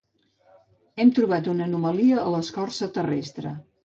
Hem trobat una anomalia a l'escorça terrestre.